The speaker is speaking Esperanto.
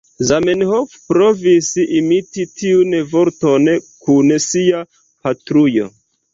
Zamenhof provis imiti tiun vorton kun sia "patrujo".